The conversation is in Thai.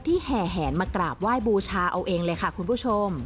แห่แหนมากราบไหว้บูชาเอาเองเลยค่ะคุณผู้ชม